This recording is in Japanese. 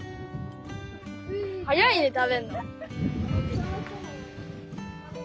速いね食べんの。